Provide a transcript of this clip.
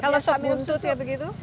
kalau sok buntut ya begitu